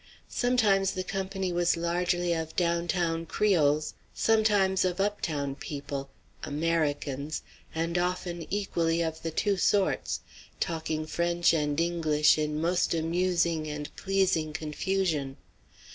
Sometimes the company was largely of down town Creoles; sometimes of up town people, "Americans;" and often equally of the two sorts, talking French and English in most amusing and pleasing confusion.